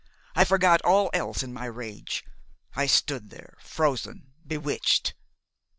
I forgot all else in my rage. I stood there, frozen, bewitched.